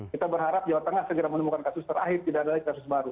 kita berharap jawa tengah segera menemukan kasus terakhir tidak ada lagi kasus baru